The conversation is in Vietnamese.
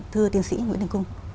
thưa tiến sĩ nguyễn đình